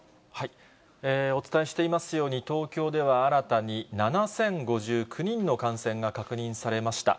お伝えしていますように、東京では新たに７０５９人の感染が確認されました。